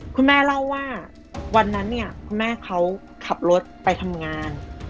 คุณแม่เล่าว่าวันนั้นเนี่ยคุณแม่เขาขับรถไปทำงาน